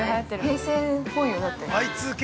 ◆平成っぽいよ、だって。